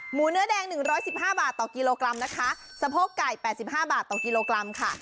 เนื้อแดง๑๑๕บาทต่อกิโลกรัมนะคะสะโพกไก่๘๕บาทต่อกิโลกรัมค่ะ